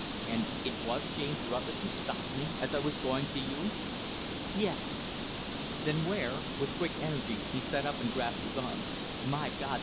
"And it was James Rutlidge who stopped me, as I was going to you?" "Yes." "Then where " with quick energy he sat up and grasped her arm "My God!